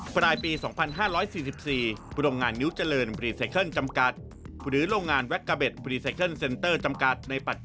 ฝรายปี๒๕๔๔ผู้โรงงานนิ้วเจริญบรีเซคเชิลจำกัด